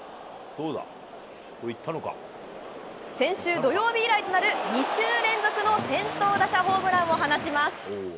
先週土曜日以来となる２週連続の先頭打者ホームランを放ちます。